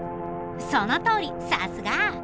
そのとおりさすが！